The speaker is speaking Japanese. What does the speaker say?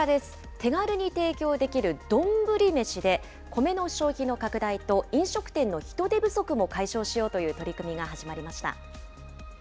手軽に提供できる丼めしで、コメの消費の拡大と飲食店の人手不足も解消しようという取り組みが始まりました。